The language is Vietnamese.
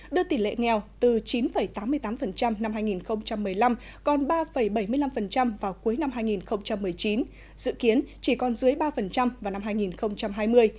đưa tỷ lệ nghèo từ chín tám mươi tám năm hai nghìn một mươi năm còn ba bảy mươi năm vào cuối năm hai nghìn một mươi chín dự kiến chỉ còn dưới ba vào năm hai nghìn hai mươi